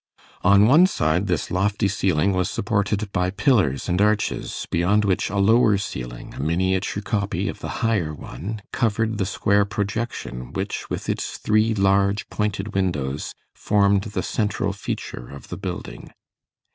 On one side, this lofty ceiling was supported by pillars and arches, beyond which a lower ceiling, a miniature copy of the higher one, covered the square projection which, with its three large pointed windows, formed the central feature of the building.